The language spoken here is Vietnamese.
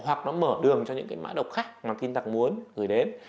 hoặc nó mở đường cho những cái mã độc khác mà tin tặc muốn gửi đến